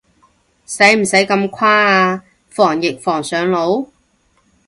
使唔使咁誇啊，防疫防上腦？